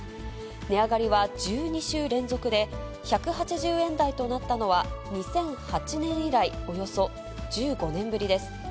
値上がりは１２週連続で、１８０円台となったのは、２００８年以来、およそ１５年ぶりです。